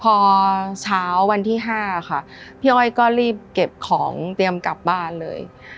พอเช้าวันที่๕ค่ะพี่อ้อยก็รีบเก็บของเตรียมกลับบ้านเลย